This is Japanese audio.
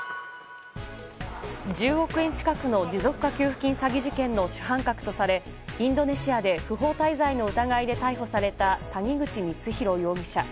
１０億円近くの持続化給付金詐欺事件の主犯格とされインドネシアで不法滞在の疑いで逮捕された谷口光弘容疑者。